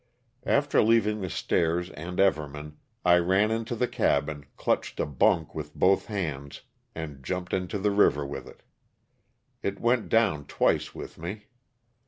After leaving the stairs and Everman I ran into the cabin, clutched a bunk with both hands and jumped into the river with it. It went down twice with me.